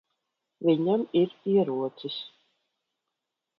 Viņam ir ierocis.